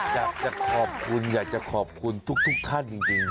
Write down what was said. อยากจะขอบคุณอยากจะขอบคุณทุกท่านจริง